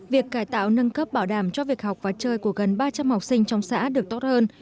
việc cải tạo nâng cấp bảo đảm cho việc học và chơi của gần ba trăm linh học sinh trong xã được tốt hơn